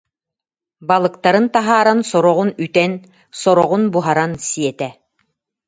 Балыктарын таһааран сороҕун үтэн, сороҕун буһаран сиэтэ